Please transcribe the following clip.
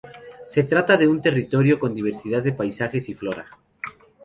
Se trata de un territorio con diversidad de paisajes y flora.